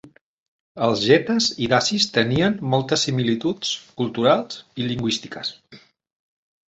Els getes i dacis tenien moltes similituds culturals i lingüístiques.